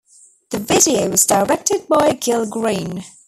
The video was directed by Gil Green.